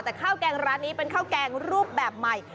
แต่ข้าวแกงร้านนี้เป็นข้าวแกงรูปแบบใหม่